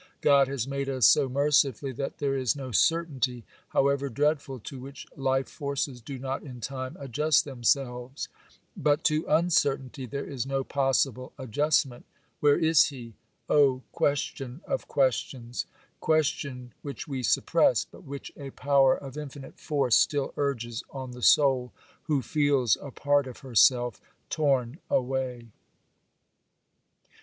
God has made us so mercifully that there is no certainty, however dreadful, to which life forces do not in time adjust themselves,—but to uncertainty there is no possible adjustment. Where is he? Oh, question of questions!—question which we suppress, but which a power of infinite force still urges on the soul, who feels a part of herself torn away.